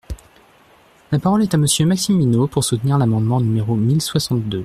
La parole est à Monsieur Maxime Minot, pour soutenir l’amendement numéro mille soixante-deux.